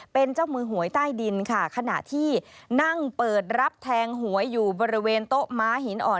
เป็นเจ้ามือหวยใต้ดินค่ะขณะที่นั่งเปิดรับแทงหวยอยู่บริเวณโต๊ะม้าหินอ่อน